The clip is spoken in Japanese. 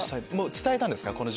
伝えたんですか？